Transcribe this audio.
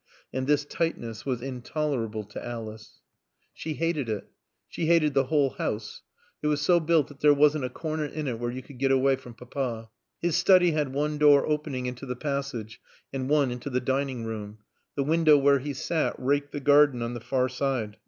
And this tightness was intolerable to Alice. She hated it. She hated the whole house. It was so built that there wasn't a corner in it where you could get away from Papa. His study had one door opening into the passage and one into the dining room. The window where he sat raked the garden on the far side.